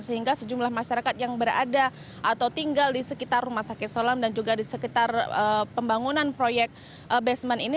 sehingga sejumlah masyarakat yang berada atau tinggal di sekitar rumah sakit solam dan juga di sekitar pembangunan proyek basement ini